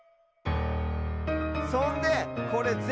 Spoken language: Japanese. そんでこれぜんぶ